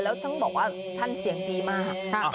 แล้วต้องบอกว่าท่านเสียงดีมาก